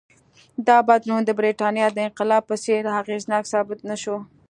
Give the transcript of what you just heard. دا بدلون د برېټانیا د انقلاب په څېر اغېزناک ثابت نه شو.